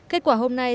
kết quả hôm nay